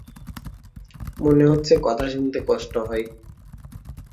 মনে হচ্ছে কথা শুনতে কষ্ট হয়।